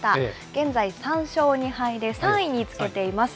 現在、３勝２敗で３位につけています。